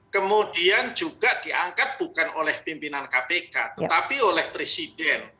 kemudian juga diangkat bukan oleh pimpinan kpk tetapi oleh presiden